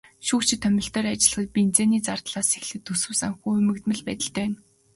Шүүгчид томилолтоор ажиллахад бензиний зардлаас эхлээд төсөв санхүү хумигдмал байдалтай байна.